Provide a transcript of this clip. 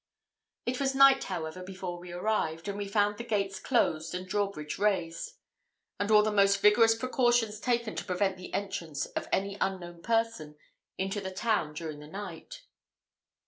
It was night, however, before we arrived, and we found the gates closed and drawbridge raised; and all the most rigorous precautions taken to prevent the entrance of any unknown person into the town during the night.